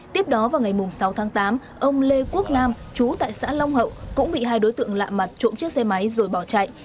tiếp đó vào ngày sáu tháng tám ông lê quốc nam chú tại xã long hậu cũng bị hai đối tượng lạ mặt trộm chiếc xe máy rồi bỏ chạy